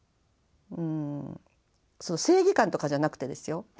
正義感とかじゃなくてですよ。